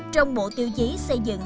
trong bộ tiêu chí xây dựng